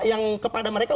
yang kepada mereka